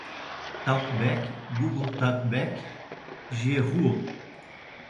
talkback, google talkback, Jieshuo